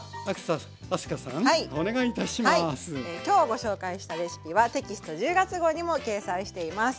今日ご紹介したレシピはテキスト１０月号にも掲載しています。